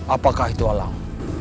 apakah itu alang